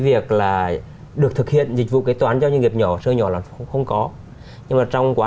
việc là được thực hiện dịch vụ kế toán cho doanh nghiệp nhỏ siêu nhỏ là không có nhưng mà trong quá